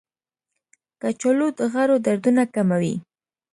کچالو د غړو دردونه کموي.